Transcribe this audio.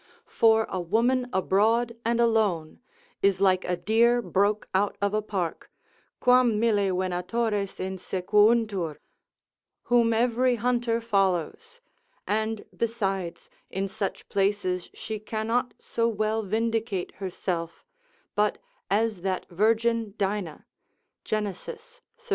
For a woman abroad and alone, is like a deer broke out of a park, quam mille venatores insequuntur, whom every hunter follows; and besides in such places she cannot so well vindicate herself, but as that virgin Dinah (Gen. xxxiv.